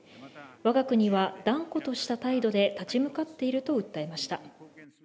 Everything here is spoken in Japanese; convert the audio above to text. わが国は断固とした態度で立ち向かっていると訴えました。